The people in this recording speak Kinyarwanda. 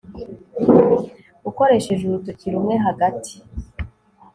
Ukoresheje urutoki rumwe hagati